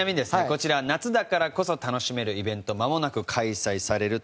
こちら夏だからこそ楽しめるイベントまもなく開催されるという事で。